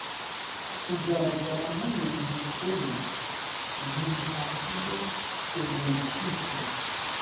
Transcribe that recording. kugaragara nk’ umuntu mukuru ntibihagije ugomba kwitoza.